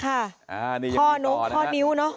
ค่ะพ่อนิ้วเนาะ